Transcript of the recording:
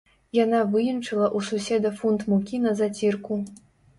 Яна выенчыла ў суседа фунт мукі на зацірку.